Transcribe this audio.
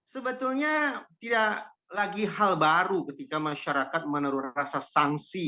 sebetulnya tidak lagi hal baru ketika masyarakat menaruh rasa sanksi